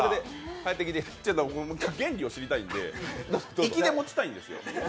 いや、だから、原理を知りたいんで行きで持ちたいんですよ。